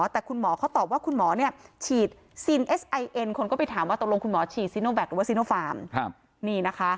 แต่คุณหมอเขาตอบว่าคุณหมอเนี่ยฉีดคนก็ไปถามว่าตกลงคุณหมอฉีดหรือว่านี่นะคะ